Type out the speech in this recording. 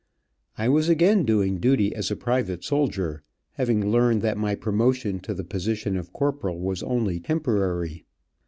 I was again doing duty as a private soldier, having learned that my promotion to the position of corporal was only temporary.